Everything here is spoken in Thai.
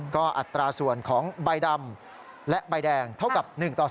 ก็อัตราส่วนของใบดำและใบแดงเท่ากับ๑ต่อ๒